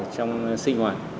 trong sinh hoạt